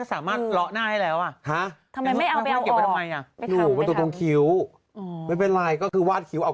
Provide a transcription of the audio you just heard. สร้างประวัติถึงจบภาษาอาหารไทยเอง